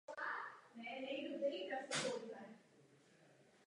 Universe.